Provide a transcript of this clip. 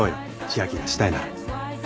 千明がしたいなら。